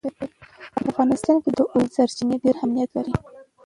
په افغانستان کې د اوبو سرچینې ډېر اهمیت لري.